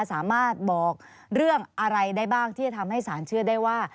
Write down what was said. สามารถบอกเรื่องอะไรได้บ้างที่จะทำให้สารเชื่อได้ว่า